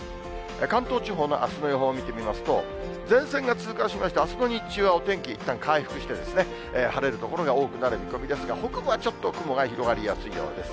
関東地方のあすの予報見てみますと、前線が通過しまして、あすの日中はお天気、いったん回復して、晴れる所が多くなる見込みですが、北部はちょっと雲が広がりやすいようです。